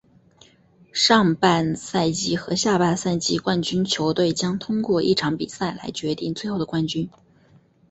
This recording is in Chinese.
上半赛季和下半赛季冠军球队将通过一场比赛来决定最后的冠军。